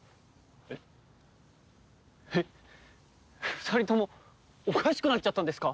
２人ともおかしくなっちゃったんですか？